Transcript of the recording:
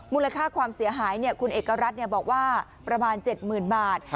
มูลค่าความเสียหายคุณเอกรัฐบอกว่าประมาณ๗๐๐๐บาท